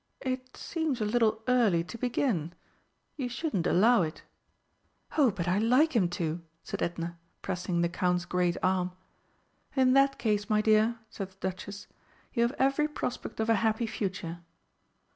"It seems a little early to begin. You shouldn't allow it." "Oh, but I like him to!" said Edna, pressing the Count's great arm. "In that case, my dear," said the Duchess, "you have every prospect of a happy future!"